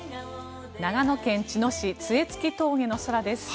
長野県茅野市・杖突峠の空です。